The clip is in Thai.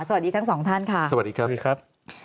สวัสดีทั้งสองท่านค่ะสวัสดีครับ